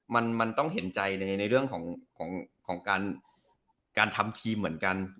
มันต้องเห็นใจในเรื่องของการทำทีมเหมือนกัน